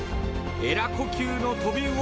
エラ呼吸のトビウオ